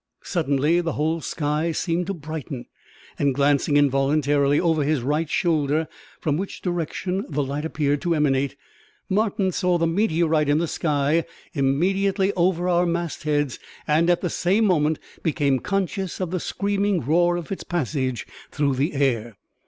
Suddenly the whole sky seemed to brighten, and, glancing involuntarily over his right shoulder from which direction the light appeared to emanate Martin saw the meteorite in the sky immediately over our mastheads, and at the same moment became conscious of the screaming roar of its passage through the air.